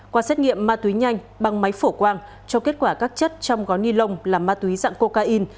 qua xét nghiệm ma túy nhanh bằng máy phổ quang cho kết quả các chất trong gói ni lông là ma túy dạng cocaine